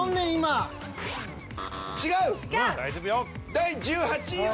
第１８位は。